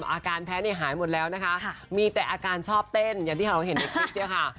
อาการแพ้เนี่ยหายหมดแล้วนะคะมีแต่อาการชอบเต้นอย่างที่เราเห็นในคลิปเนี่ยค่ะ